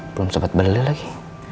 belum sempat beli lagi